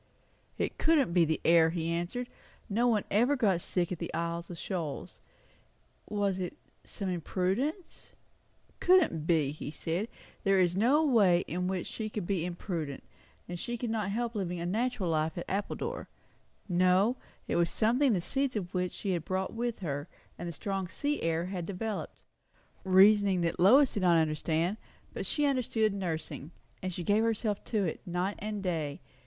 It couldn't be the air, he answered; nobody ever got sick at the Isles of Shoals. Was it some imprudence? Couldn't be, he said; there was no way in which she could be imprudent; she could not help living a natural life at Appledore. No, it was something the seeds of which she had brought with her; and the strong sea air had developed it. Reasoning which Lois did not understand; but she understood nursing, and gave herself to it, night and day.